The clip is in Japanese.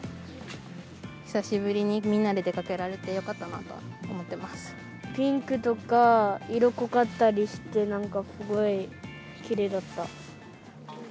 久しぶりにみんなで出かけらピンクとか色濃かったりして、なんか、すごいきれいだった。